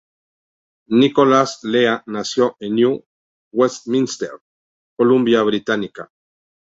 Nicholas Lea nació en New Westminster, Columbia Británica.